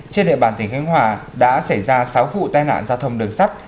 trên địa bàn tp cnh đã xảy ra sáu vụ tai nạn giao thông đường sắt